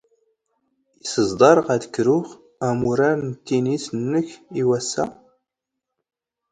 ⵉⵙ ⵥⴹⴰⵕⵖ ⴰⴷ ⴽⵔⵓⵖ ⴰⵎⵓⵔⴰⵔ ⵏ ⵜⵜⵉⵏⵉⵙ ⵏⵏⴽ ⵉ ⵡⴰⵙⵙ?